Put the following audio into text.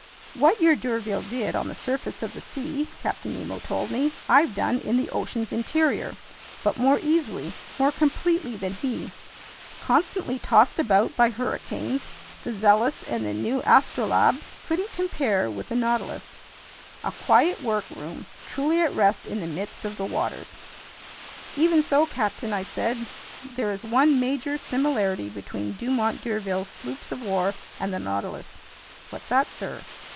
"What your d'Urville did on the surface of the sea," Captain Nemo told me, "I've done in the ocean's interior, but more easily, more completely than he. Constantly tossed about by hurricanes, the Zealous and the new Astrolabe couldn't compare with the Nautilus, a quiet work room truly at rest in the midst of the waters!" "Even so, captain," I said, "there is one major similarity between Dumont d'Urville's sloops of war and the Nautilus." "What's that, sir?"